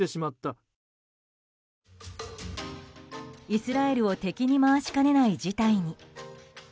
イスラエルを敵に回しかねない事態に。